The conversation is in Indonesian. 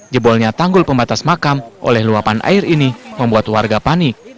jebolnya tanggul pembatas makam oleh luapan air ini membuat warga panik